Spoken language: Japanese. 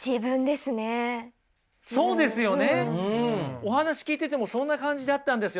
お話聞いててもそんな感じだったんですよ